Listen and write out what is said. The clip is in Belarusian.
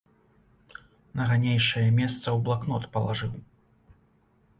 На ранейшае месца ў блакнот палажыў.